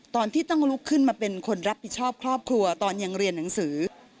ตอนที่ต้องลุกขึ้นมาเป็นคนรับผิดชอบครอบครัวตอนยังเรียนหนังสือ